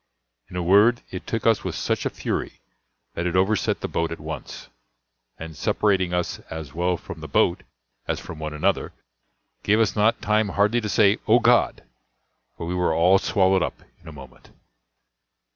In a word, it took us with such a fury that it overset the boat at once; and separating us as well from the boat as from one another, gave us not time hardly to say, "O God!" for we were all swallowed up in a moment.